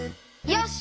よし。